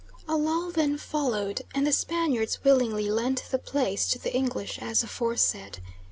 {48b} A lull then followed, and the Spaniards willingly lent the place to the English as aforesaid.